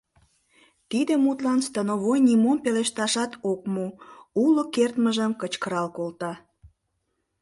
Тиде мутлан становой нимом пелешташат ок му, уло кертмыжым кычкырал колта: